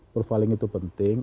profiling itu penting